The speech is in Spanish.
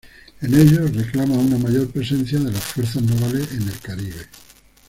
En ellos reclama una mayor presencia de las fuerzas navales en el Caribe.